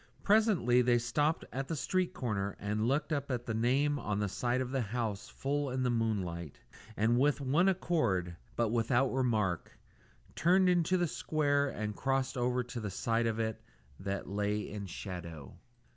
Presently they stopped at the street corner and looked up at the name on the side of the house full in the moonlight, and with one accord, but without remark, turned into the square and crossed over to the side of it that lay in shadow.